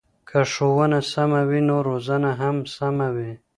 که ښوونه سمه وي نو روزنه هم سمه وي.